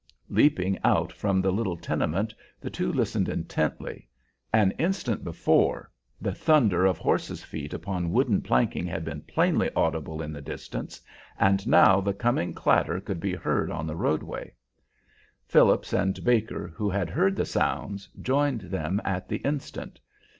Leaping out from the little tenement, the two listened intently. An instant before the thunder of horse's feet upon wooden planking had been plainly audible in the distance, and now the coming clatter could be heard on the roadway. Phillips and Baker, who had heard the sounds, joined them at the instant.